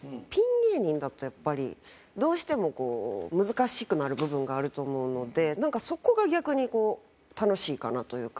芸人だとやっぱりどうしてもこう難しくなる部分があると思うのでなんかそこが逆にこう楽しいかなというか。